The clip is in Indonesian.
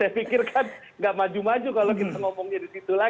saya pikir kan nggak maju maju kalau kita ngomongnya di situ lagi